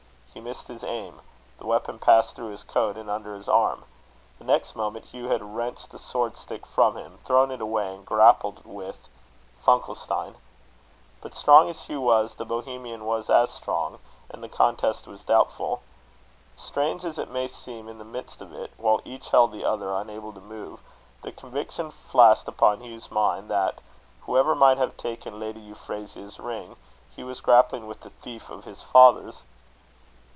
He missed his aim. The weapon passed through his coat and under his arm. The next moment, Hugh had wrenched the sword stick from him, thrown it away, and grappled with Funkelstein. But strong as Hugh was, the Bohemian was as strong, and the contest was doubtful. Strange as it may seem in the midst of it, while each held the other unable to move, the conviction flashed upon Hugh's mind, that, whoever might have taken Lady Euphrasia's ring, he was grappling with the thief of his father's.